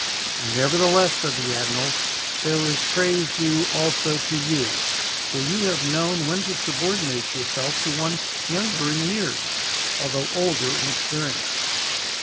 "Nevertheless," said the admiral, "there is praise due also to you, for you have known when to subordinate yourself to one younger in years, although older in experience.